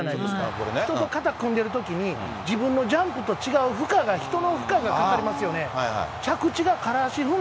そうすると、肩組んでるときに、自分のジャンプと違う人の負荷がかかりますよね。